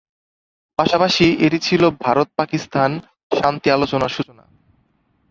পাশাপাশি এটি ছিল ভারত পাকিস্তান শান্তি আলোচনার সূচনা।